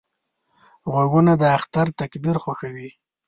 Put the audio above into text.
غوږونه د اختر تکبیر خوښوي